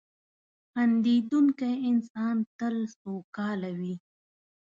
• خندېدونکی انسان تل سوکاله وي.